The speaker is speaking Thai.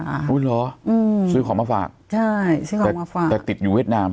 อุ้ยเหรออืมซื้อของมาฝากใช่ซื้อของมาฝากแต่ติดอยู่เวียดนาม